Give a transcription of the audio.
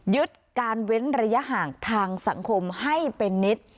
ยึดการเว้นระยะห่างทางสังคมให้เป็นนิด